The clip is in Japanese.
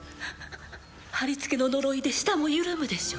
はりつけの呪いで舌も緩むでしょう